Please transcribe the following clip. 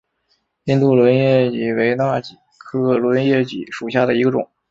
印度轮叶戟为大戟科轮叶戟属下的一个种。